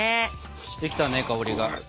してきたね香りが。